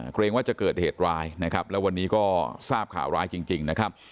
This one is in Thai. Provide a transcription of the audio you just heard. เกรงว่าจะเกิดเหตุร้ายนะครับแล้ววันนี้ก็ทราบข่าวร้ายจริงนะครับ